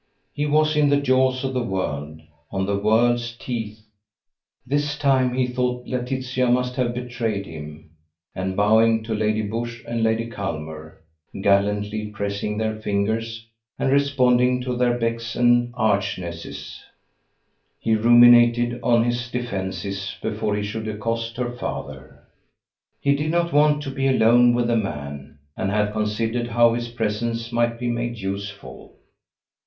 He was in the jaws of the world, on the world's teeth. This time he thought Laetitia must have betrayed him, and bowing to Lady Busshe and Lady Culmer, gallantly pressing their fingers and responding to their becks and archnesses, he ruminated on his defences before he should accost her father. He did not want to be alone with the man, and he considered how his presence might be made useful.